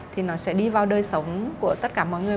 thì nó sẽ đi vào đời sống của tất cả mọi người